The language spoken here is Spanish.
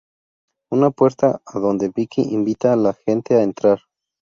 Una puerta a donde Vicky invita a la gente a entrar.